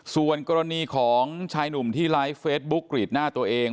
ส่วนกรณีของชายหนุ่มที่ไลฟ์เฟซบุ๊กกรีดหน้าตัวเอง